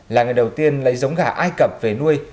là ngày đầu tiên lấy giống gà ai cập về nuôi